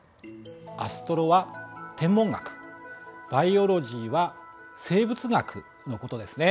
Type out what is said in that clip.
「アストロ」は天文学「バイオロジー」は生物学のことですね。